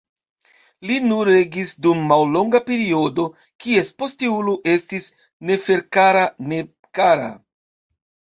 Li nur regis dum mallonga periodo, kies posteulo estis Neferkara-Nebkara.